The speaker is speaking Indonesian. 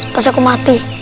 pas aku mati